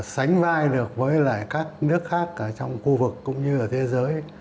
sánh vai được với lại các nước khác ở trong khu vực cũng như ở thế giới